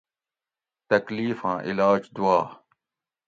تکلیفاں علاج دُعا